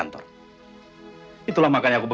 ini hari pertama yang berakhir